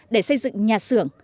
để xây dựng nhà xưởng